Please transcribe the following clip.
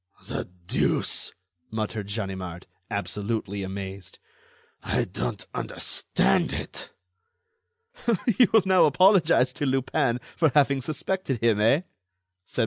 "The deuce!" muttered Ganimard, absolutely amazed, "I don't understand it." "You will now apologize to Lupin for having suspected him, eh?" said Mon.